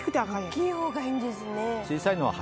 大きい方がいいんですね。